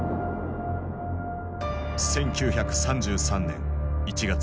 １９３３年１月。